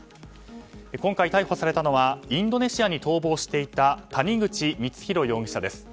今回逮捕されたのはインドネシアに逃亡していた谷口光弘容疑者です。